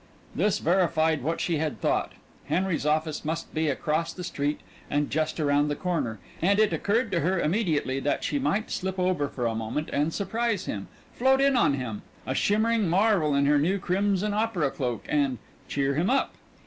This verified what she had thought. Henry's office must be across the street and just around the corner, and it occurred to her immediately that she might slip over for a moment and surprise him, float in on him, a shimmering marvel in her new crimson opera cloak and "cheer him up."